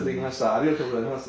ありがとうございます。